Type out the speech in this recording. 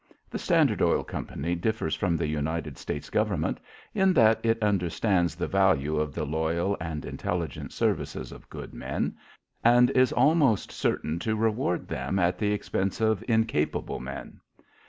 The Standard Oil Company differs from the United States Government in that it understands the value of the loyal and intelligent services of good men and is almost certain to reward them at the expense of incapable men.